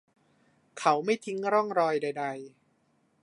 เขาไม่ทิ้งร่องรอยใด ๆ